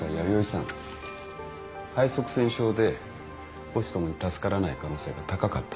肺塞栓症で母子共に助からない可能性が高かった。